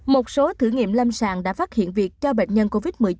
một số thử nghiệm lâm sàng đã phát hiện việc cho bệnh nhân covid một mươi chín